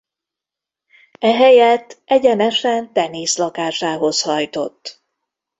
Ehelyett egyenesen Dennis lakásához hajtott.